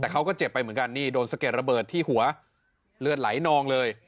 แต่เขาก็เจ็บไปเหมือนกันนี่โดนสะเก็ดระเบิดที่หัวเลือดไหลนองเลย